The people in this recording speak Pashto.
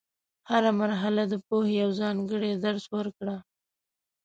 هره مرحله د پوهې یو ځانګړی درس ورکړه.